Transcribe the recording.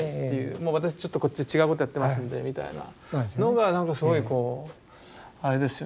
もう私ちょっとこっちで違うことやってますみたいなのが何かすごいこうあれですよね。